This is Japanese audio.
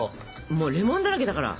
もうレモンだらけだから。